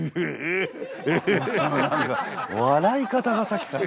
何か笑い方がさっきから。